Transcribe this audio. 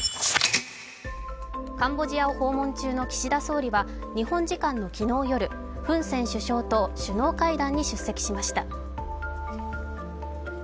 カンボジアを訪問中の岸田総理は日本時間の昨日夜、フン・セン首相と首脳会談に出席しました。